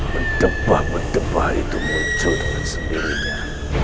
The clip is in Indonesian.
pendebah pendebah itu muncul dengan sendirinya